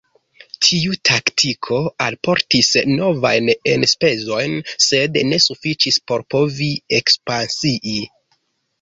Tiu taktiko alportis novajn enspezojn, sed ne sufiĉis por povi ekspansii.